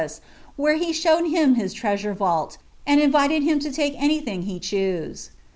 where he showed him his treasure van! U and invited him to t^e ay thing he chose.